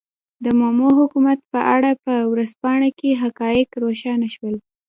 د مومو حکومت په اړه په ورځپاڼه کې حقایق روښانه شول.